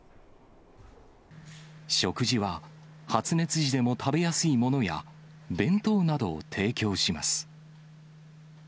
食事は、発熱時でも食べやすいものや、弁当などを提供します。